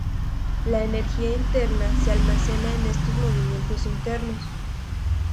La energía interna se almacena en estos movimientos internos.